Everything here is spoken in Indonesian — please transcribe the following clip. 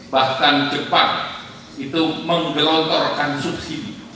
bahkan jepang itu menggelontorkan subsidi